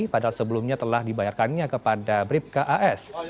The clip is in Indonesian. padahal sebelumnya telah dibayarkannya kepada bribka as